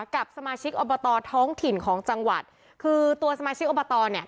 กับสมาชิกอบตท้องถิ่นของจังหวัดคือตัวสมาชิกอบตเนี่ย